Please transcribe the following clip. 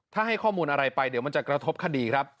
ถ้าให้ข้อมูลอะไรไปเดี๋ยวมันจะกระทบคดีครับ